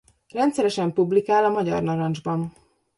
Rendszeresen publikál a Magyar Narancsban.